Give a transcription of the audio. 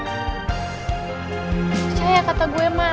percaya kata gue man